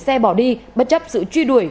xe bỏ đi bất chấp sự truy đuổi